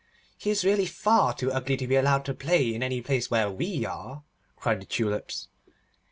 'He is really far too ugly to be allowed to play in any place where we are,' cried the Tulips.